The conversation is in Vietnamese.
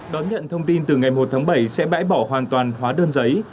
đón nhận thông tin từ ngày một tháng bảy sẽ bãi bỏ hoàn toàn hóa đơn giấy